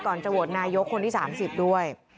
ก่อนจะโหวตนายกคนที่๓๐ด้วย